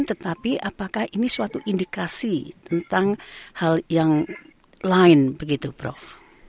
tetapi apakah ini suatu indikasi tentang hal yang lain begitu prof